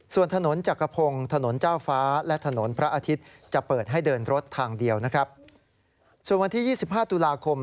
ส่วนวันที่๒๕ตุลาคม